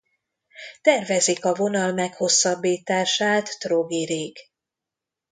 Tervezik a vonal meghosszabbítását Trogirig.